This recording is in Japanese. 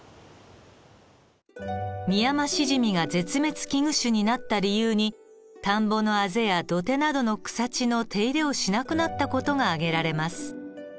ミヤマシジミが絶滅危惧種になった理由に田んぼのあぜや土手などの草地の手入れをしなくなった事が挙げられます。